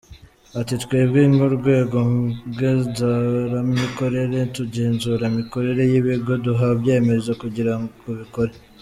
Ati “Twebwe nk’urwego ngenzuramikorere, tugenzura mikorere y’ibigo duha ibyemezo kugirango bikore.